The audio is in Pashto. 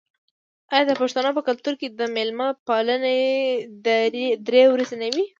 آیا د پښتنو په کلتور کې د میلمه پالنه درې ورځې نه وي؟